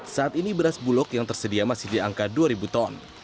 saat ini beras bulog yang tersedia masih di angka dua ribu ton